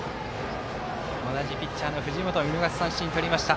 同じピッチャーの藤本を見逃し三振にとりました。